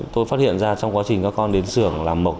tôi phát hiện ra trong quá trình các con đến xưởng là mộc